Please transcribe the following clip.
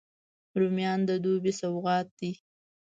رومیان د دوبي سوغات دي